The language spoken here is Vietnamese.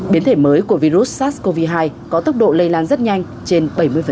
biến thể mới của virus sars cov hai có tốc độ lây lan rất nhanh trên bảy mươi